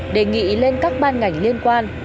đề nghị lên các ban ngành liên quan